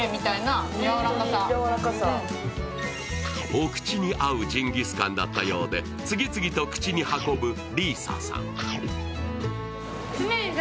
お口に合うジンギスカンだったようで、次々と口に運ぶ里依紗さん。